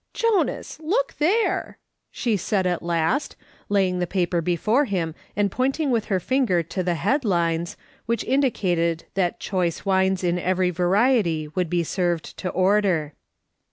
"Jonas, look there!" she said at last, laying the paper before him and pointing with her finger to the head lines, which indicated that choice wines in every variety would be served to order.